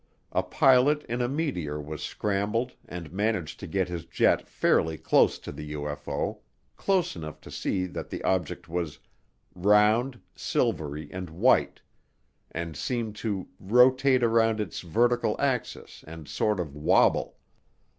A pilot in a Meteor was scrambled and managed to get his jet fairly close to the UFO, close enough to see that the object was "round, silvery, and white" and seemed to "rotate around its vertical axis and sort of wobble."